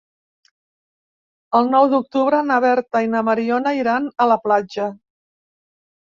El nou d'octubre na Berta i na Mariona iran a la platja.